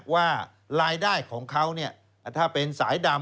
ว่ารายได้ของเขาถ้าเป็นสายดำ